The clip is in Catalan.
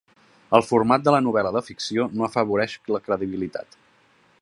El format de la novel·la de ficció no afavoreix la credibilitat.